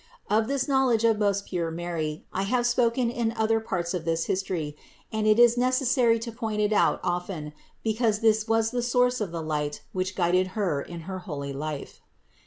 Of this knowl edge of most pure Mary I have spoken in other parts of this history and it is necessary to point it out often, because this was the source of the light which guided Her in her holy life.